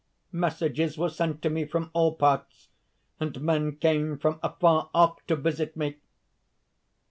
Messages were sent to me from all parts, and men came from afar off to visit me.